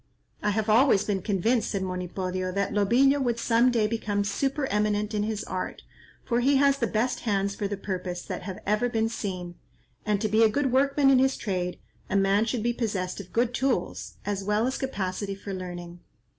"I have always been convinced," said Monipodio, "that Lobillo would some day become supereminent in his art, for he has the best hands for the purpose that have ever been seen; and to be a good workman in his trade, a man should be possessed of good tools, as well as capacity for learning."